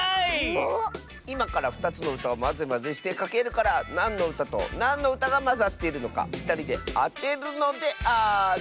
いまから２つのうたをマゼマゼしてかけるからなんのうたとなんのうたがまざっているのかふたりであてるのである！